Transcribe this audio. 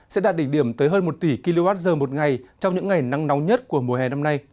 sẽ đạt đỉnh điểm tới hơn một tỷ kwh một ngày trong những ngày nắng nóng nhất của mùa hè năm nay